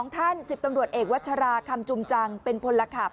ท่าน๑๐ตำรวจเอกวัชราคำจุมจังเป็นพลขับ